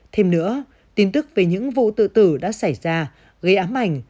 thêm nữa tin tức về những vụ tự tử đã xảy ra gây ám ảnh